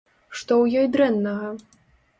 Што ў ёй дрэннага?